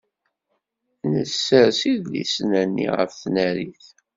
Nessers idlisen-nni ɣef tnarit.